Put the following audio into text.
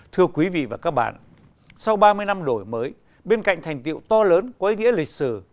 thưa quý vị và các bạn sau ba mươi năm đổi mới bên cạnh thành tựu to lớn quấy nghĩa lịch sử